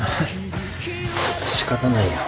仕方ないよ。